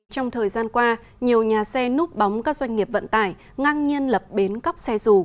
trong thời gian qua nhiều nhà xe núp bóng các doanh nghiệp vận tải ngang nhiên lập bến cóc xe dù